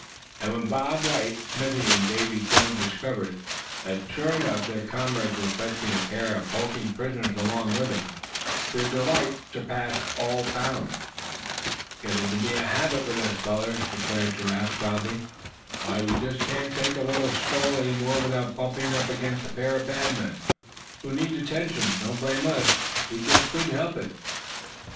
And when Bob White, Smithy and Davy Jones discovered that sure enough their comrades were fetching a pair of hulking prisoners along with them, their delight surpassed all bounds. "It's getting to be a habit with us, fellers," declared Giraffe, proudly. "Why, we just can't take a little stroll any more, without bumping up against a pair of bad men, who need attention. Don't blame us; we just couldn't help it."